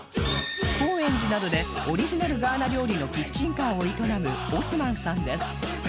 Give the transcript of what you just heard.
高円寺などでオリジナルガーナ料理のキッチンカーを営むオスマンさんです